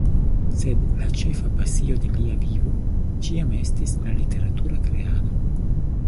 Sed la ĉefa pasio de lia vivo ĉiam estis la literatura kreado.